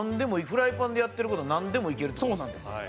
フライパンでやってる事はなんでもいけるって事ですよね？